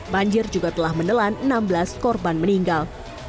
banjir juga telah menelan enam belas korban meninggal